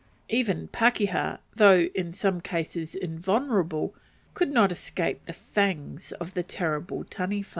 Even pakeha, though in some cases invulnerable, could not escape the fangs of the terrible Taniwha.